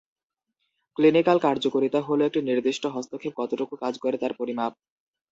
Clinical কার্যকারিতা হল একটি নির্দিষ্ট হস্তক্ষেপ কতটুকু কাজ করে তার পরিমাপ।